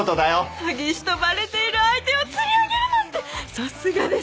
詐欺師とバレている相手を釣り上げるなんてさすがです。